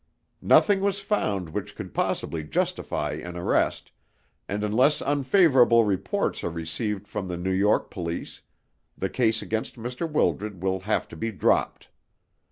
Nothing was found which could possibly justify an arrest, and unless unfavourable reports are received from the New York police, the case against Mr. Wildred will have to be dropped.